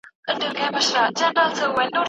څه وخت او چېرته به بیا یو شو سره؟